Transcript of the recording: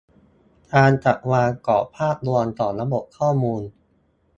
การจัดวางกรอบภาพรวมของระบบข้อมูล